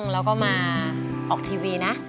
แล้วก็มาออกทีวีนะ